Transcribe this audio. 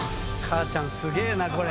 母ちゃんすげえ。